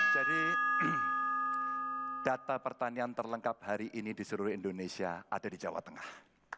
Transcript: jadi data pertanian terlengkap hari ini di seluruh indonesia ada di jawa tengah